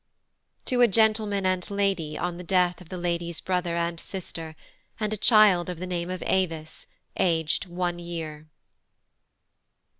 To a GENTLEMAN and LADY on the Death of the Lady's Brother and Sister, and a Child of the Name of Avis, aged one Year.